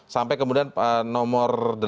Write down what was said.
sampai kemudian nomor